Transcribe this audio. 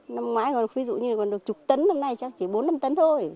năm ngoái còn được ví dụ như chục tấn năm nay chắc chỉ bốn năm tấn thôi